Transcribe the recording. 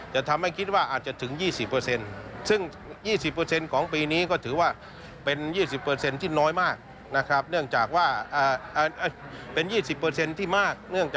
จะทำให้คิดว่าอาจจะถึง๒๐